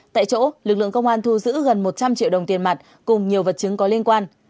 tại chỗ lực lượng công an thu giữ gần một trăm linh triệu đồng tiền mặt cùng nhiều vật chứng có liên quan